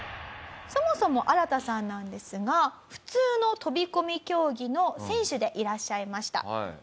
そもそもアラタさんなんですが普通の飛込競技の選手でいらっしゃいました。